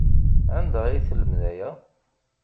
Anda ay telmed aya?